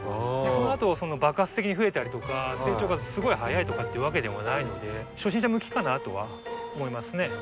でそのあと爆発的に増えたりとか成長がすごい早いとかっていうわけでもないので初心者向きかなとは思いますね。